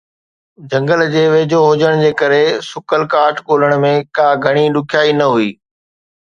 جنگل جي ويجهو هجڻ ڪري سڪل ڪاٺ ڳولڻ ۾ ڪا گهڻي ڏکيائي نه هئي